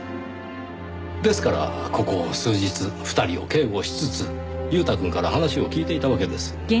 ですからここ数日２人を警護しつつ裕太くんから話を聞いていたわけです。